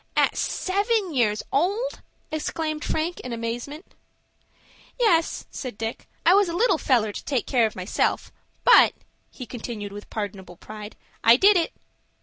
"At seven years old!" exclaimed Frank, in amazement. "Yes," said Dick, "I was a little feller to take care of myself, but," he continued with pardonable pride, "I did it."